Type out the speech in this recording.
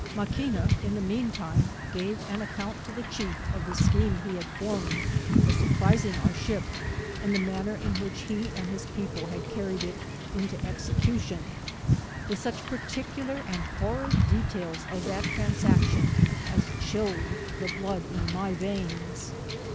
Maquina io the mean time gave an account to the chief,^of the scheme he had form ed for surprising our ship, and the manner in which he and his people had carried it into execution, with such particular and horrid details of that tran saction as chilled the blood in my veins.